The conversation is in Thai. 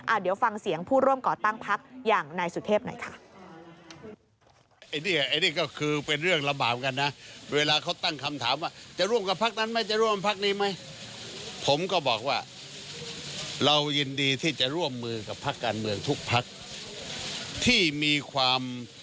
เดี๋ยวฟังเสียงผู้ร่วมก่อตั้งพักอย่างนายสุเทพหน่อยค่ะ